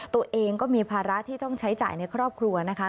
ตัวเองก็มีภาระที่ต้องใช้จ่ายในครอบครัวนะคะ